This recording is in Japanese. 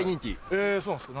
えそうなんすか？